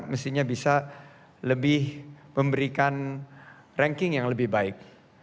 mestinya bisa lebih memberikan ranking yang lebih baik